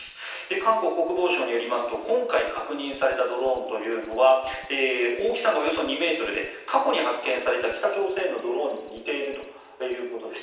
韓国国防省によりますと今回、確認されたドローンというのは大きさがおよそ２ｍで過去に発見された北朝鮮のドローンに似ているということです。